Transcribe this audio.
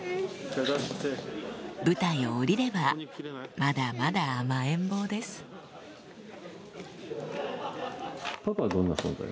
舞台を下りればまだまだ甘えん坊ですパパが？